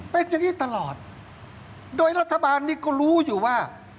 เป็นอย่างนี้ตลอดโดยรัฐบาลนี้ก็รู้อยู่ว่า